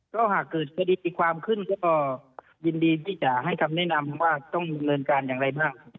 ก็หากเกิดคดีตีความขึ้นก็ยินดีที่จะให้คำแนะนำว่าต้องดำเนินการอย่างไรบ้าง